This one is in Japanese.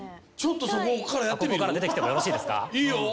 ここから出てきてよろしいですかいいよ